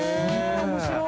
面白い！